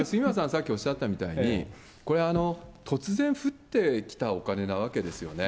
さっきおっしゃったように、これ、突然降ってきたお金なわけですよね。